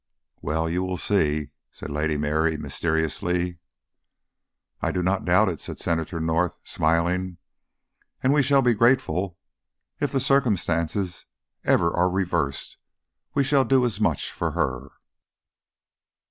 "Well, you will see," said Lady Mary, mysteriously. "I do not doubt it," said Senator North, smiling. "And we shall be grateful. If the circumstances ever are reversed, we shall do as much for her."